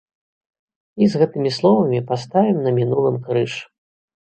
І з гэтымі словамі паставім на мінулым крыж.